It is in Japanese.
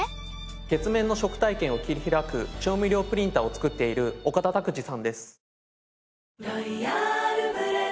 月面の食体験を切り開く調味料プリンターを作っている岡田拓治さんです。